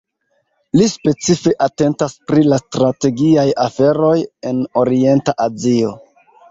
Li specife atentas pri la strategiaj aferoj en Orienta Azio.